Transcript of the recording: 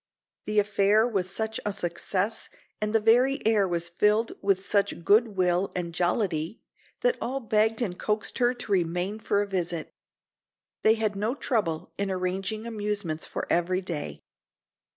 The affair was such a success and the very air was filled with such good will and jollity, that all begged and coaxed her to remain for a visit. They had no trouble in arranging amusements for every day.